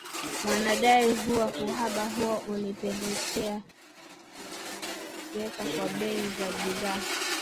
Wanadai kuwa uhaba huo ulipelekea kuongezeka kwa bei za bidhaa